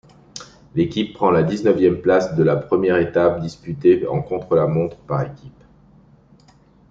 L'équipe prend la dix-neuvième place de la première étape, disputée en contre-la-montre par équipes.